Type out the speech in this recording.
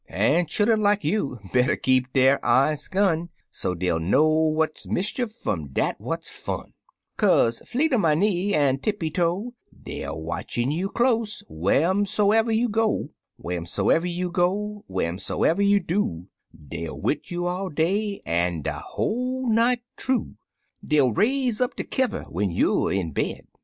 An' chillun like you better keep der eyes skun So dey'll know what's mischief fum dat what's ftin, Kaze Flee ter my Knee an' Tippity Toe Deyer watchin' you close wharsomever you go — Wharsomever you go, whatsomever you do, Deyer wid you all day an' de whole night thoo; Dey'll raise up de kivver when youer in bed.